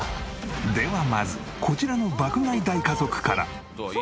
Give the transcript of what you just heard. ではまずこちらの爆買い大家族から。